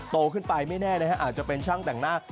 โตขึ้นไปไม่แน่นะฮะอาจจะเป็นช่างแต่งหน้า